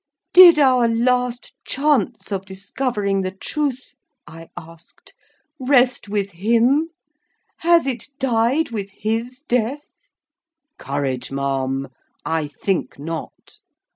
"Did our last chance of discovering the truth," I asked, "rest with him? Has it died with his death?" "Courage, ma'am! I think not.